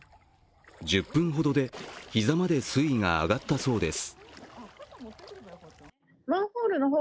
１０分ほどで膝まで水位が上がったそうです。